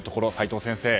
齋藤先生